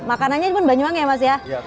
makanannya cuma banyuwangi ya mas ya